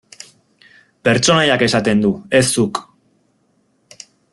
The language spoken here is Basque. Pertsonaiak esaten du, ez zuk.